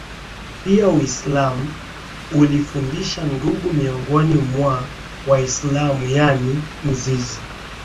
Pia Uislamu unafundisha udugu miongoni mwa Waislamu yaani mzizi